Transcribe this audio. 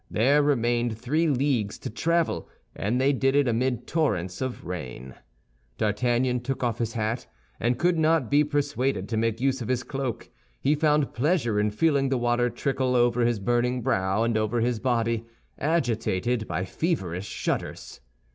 There remained three leagues to travel, and they did it amid torrents of rain. D'Artagnan took off his hat, and could not be persuaded to make use of his cloak. He found pleasure in feeling the water trickle over his burning brow and over his body, agitated by feverish shudders.